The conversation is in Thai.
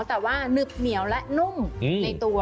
แต่ว่าหนึบเหนียวและนุ่มในตัว